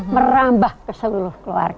merambah ke seluruh keluarga